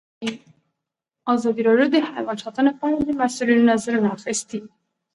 ازادي راډیو د حیوان ساتنه په اړه د مسؤلینو نظرونه اخیستي.